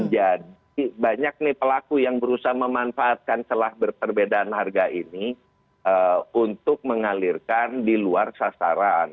jadi banyak nih pelaku yang berusaha memanfaatkan celah berperbedaan harga ini untuk mengalirkan di luar sasaran